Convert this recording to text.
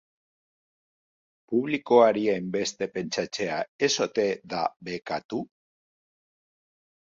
Publikoari hainbeste pentsatzea ez ote da bekatu?